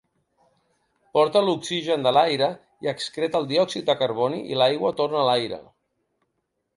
Porta l'oxigen de l'aire i excreta el diòxid de carboni i l'aigua torna a l'aire.